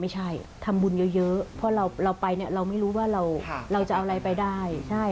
ทำบุญเยอะเพราะเราไปเนี่ยเราไม่รู้ว่าเราจะเอาอะไรไปได้